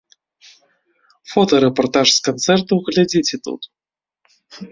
Фотарэпартаж з канцэрту глядзіце тут!